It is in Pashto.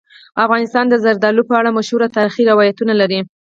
افغانستان د زردالو په اړه مشهور تاریخی روایتونه لري.